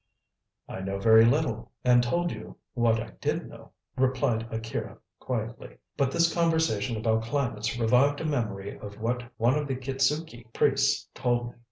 "I know very little, and told you what I did know," replied Akira quietly; "but this conversation about climates revived a memory of what one of the Kitzuki priests told me.